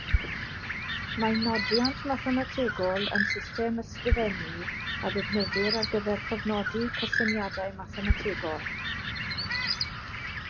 Mae nodiant mathemategol yn system ysgrifennu a ddefnyddir ar gyfer cofnodi cysyniadau mathemategol.